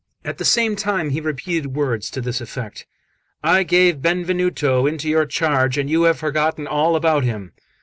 At the same time he repeated words to this effect: "I gave Benvenuto into your charge, and you have forgotten all about him."